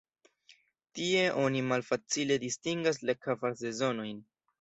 Tie oni malfacile distingas la kvar sezonojn.